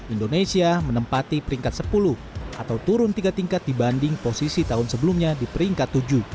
indonesia menempati peringkat sepuluh atau turun tiga tingkat dibanding posisi tahun sebelumnya di peringkat tujuh